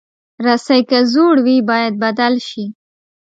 رسۍ که زوړ وي، باید بدل شي.